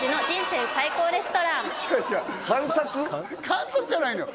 観察じゃないのよ